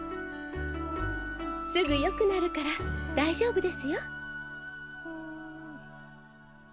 すぐよくなるから大丈夫ですよ。